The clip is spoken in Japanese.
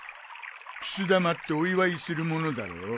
くす玉ってお祝いするものだろ？